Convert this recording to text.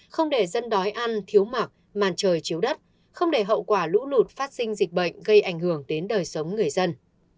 không để dân đói ăn thiếu mặc màn trời chiếu đất không để hậu quả lũ lụt phát sinh dịch bệnh gây ảnh hưởng đến đời sống người dân